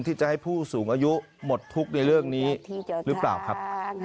ที่จะให้ผู้สูงอายุหมดทุกข์ในเรื่องนี้หรือเปล่าครับ